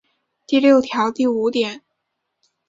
第六条第五点